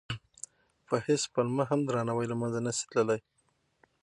په هېڅ پلمه هم درناوی له منځه نه شي تللی.